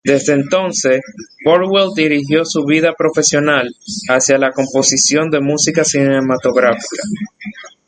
Desde entonces Burwell dirigió su vida profesional hacia la composición de música cinematográfica.